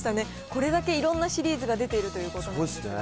これだけいろんなシリーズが出ているということなんですね。